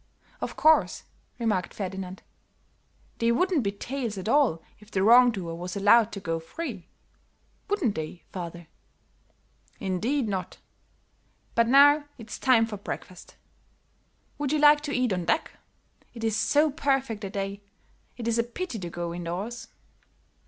"Of course," remarked Ferdinand. "They wouldn't be tales at all if the wrong doer was allowed to go free. Would they, father?" "Indeed not; but now it's time for breakfast. Would you like to eat on deck? It is so perfect a day, it is a pity to go indoors."